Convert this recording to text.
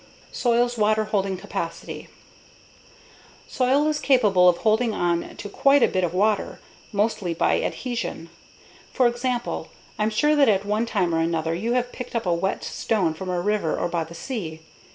Soil's Water Holding Capacity Soil is capable of holding on to quite a bit of water, mostly by adhesion. For example, I'm sure that at one time or another you have picked up a wet stone from a river or by the sea.